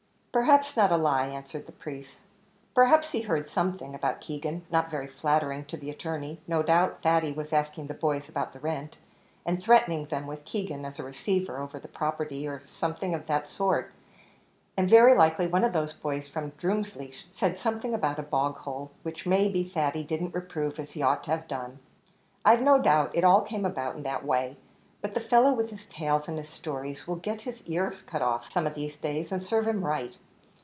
"Perhaps not all a lie," answered the priest; "perhaps he heard something about Keegan not very flattering to the attorney; no doubt Thady was asking the boys about the rent, and threatening them with Keegan as a receiver over the property, or something of that sort; and very likely one of those boys from Drumleesh said something about a bog hole, which may be Thady didn't reprove as he ought to have done. I've no doubt it all came about in that way, but that fellow with his tales and his stories, will get his ears cut off some of these days, and serve him right.